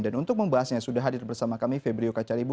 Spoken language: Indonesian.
dan untuk membahasnya sudah hadir bersama kami febrio kacaribu